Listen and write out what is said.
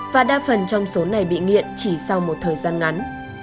và đa phần trong số này bị nghiện chỉ sau một thời gian ngắn